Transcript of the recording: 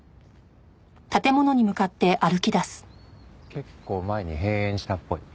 結構前に閉園したっぽい。